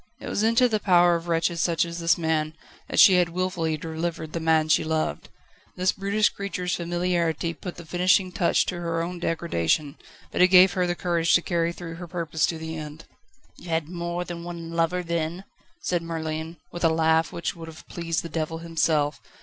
It was into the power of wretches such as this man, that she had wilfully delivered the man she loved. This brutish creature's familiarity put the finishing touch to her own degradation, but it gave her the courage to carry through her purpose to the end. "You had more than one lover, then?" said Merlin, with a laugh which would have pleased the devil himself.